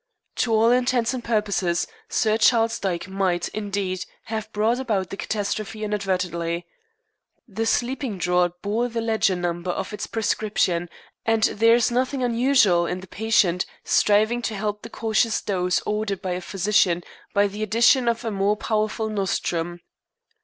To all intents and purposes Sir Charles Dyke might, indeed, have brought about the catastrophe inadvertently. The sleeping draught bore the ledger number of its prescription, and there is nothing unusual in a patient striving to help the cautious dose ordered by a physician by the addition of a more powerful nostrum.